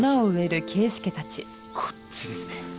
こっちですね。